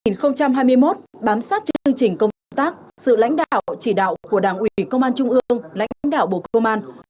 năm hai nghìn hai mươi một bám sát chương trình công tác sự lãnh đạo chỉ đạo của đảng ủy công an trung ương lãnh đạo bộ công an